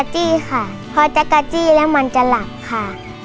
จี้ค่ะพอจักรจี้แล้วมันจะหลับค่ะ